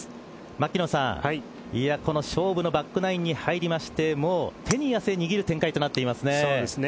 牧野さん、この勝負のバックナインに入りましてもう手に汗握る展開となっていますね。